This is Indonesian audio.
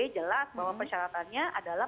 jelas bahwa persyaratannya adalah